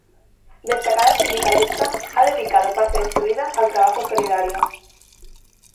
Destacada sindicalista, ha dedicado parte de su vida al trabajo solidario.